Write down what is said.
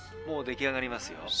もう出来上がりますよ。